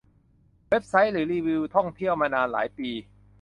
เว็บไซต์ หรือรีวิวท่องเที่ยวมานานหลายปี